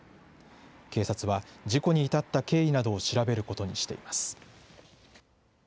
警察は、事故に至った経緯などを調べることにしています。